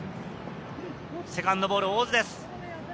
セカンドボール、大津です。